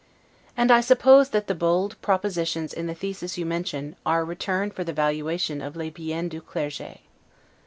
And I suppose that the bold propositions in the thesis you mention, are a return for the valuation of 'les biens du Clerge'.